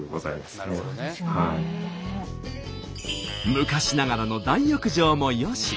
昔ながらの大浴場もよし。